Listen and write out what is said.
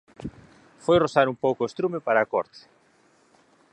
Foi rozar un pouco estrume para a corte.